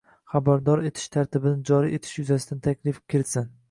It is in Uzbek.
xabardor etish tartibini joriy etish yuzasidan taklif kiritsin.